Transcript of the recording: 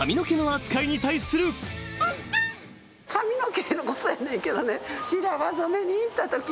髪の毛のことやねんけどね。